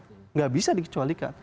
tidak bisa dikecualikan